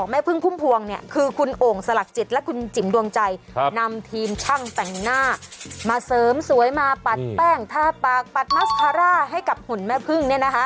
มาเสริมสวยมาปัดแป้งท่าปากปัดมาสคาร่าให้กับหุ่นแม่พึ่งเนี่ยนะฮะ